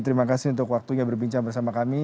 terima kasih untuk waktunya berbincang bersama kami